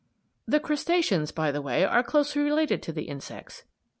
The crustaceans, by the way, are closely related to the insects.